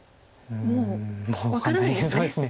もう分からないですね。